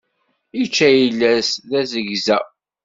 Ičča ayla-s d azegza.